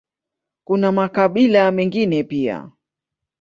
Kuna makabila mengine pia.